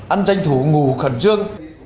ăn tranh thủ ngủ khẩn trương